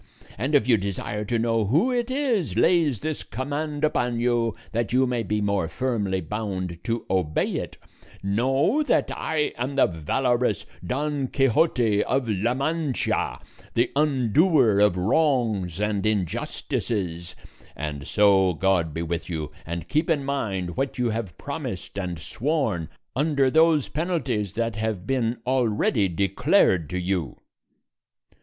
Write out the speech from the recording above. And if you desire to know who it is lays this command upon you, that you may be more firmly bound to obey it, know that I am the valorous Don Quixote of La Mancha, the undoer of wrongs and injustices; and so God be with you, and keep in mind what you have promised and sworn under those penalties that have been already declared to you."